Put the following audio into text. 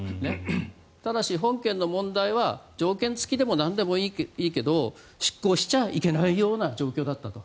ただし本件の問題は条件付きでもなんでもいいけど出港しちゃいけないような状況だったと。